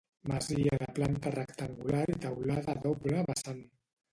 Masia de planta rectangular i teulada a doble vessant.